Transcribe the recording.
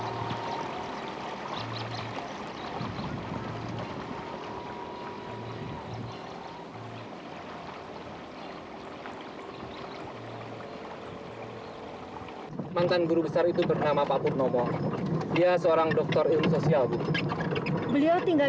hai mantan guru besar itu bernama pak purnomo dia seorang dokter ilmu sosial beliau tinggal